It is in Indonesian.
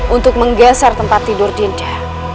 untuk menggeser tempat tidur dinca